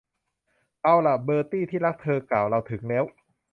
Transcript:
เอาล่ะ เบอร์ตี้ ที่รัก เธอกล่าว เราถึงแล้ว